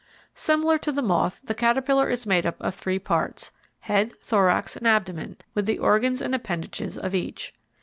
Similar to the moth, the caterpillar is made up of three parts, head, thorax, and abdomen, with the organs and appendages of each.